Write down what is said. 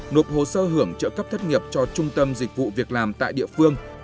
nộp hồ sơ hưởng trợ cấp thất nghiệp cho trung tâm dịch vụ việc làm tại địa phương